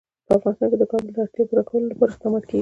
په افغانستان کې د کابل د اړتیاوو پوره کولو لپاره اقدامات کېږي.